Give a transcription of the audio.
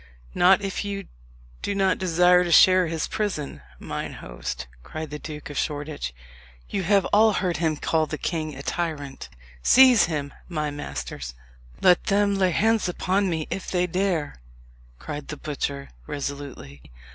"Not if you do not desire to share his prison, mine host," cried the Duke of Shoreditch. "You have all heard him call the king a tyrant. Seize him, my masters!" "Let them lay hands upon me if they dare!" cried the butcher resolutely.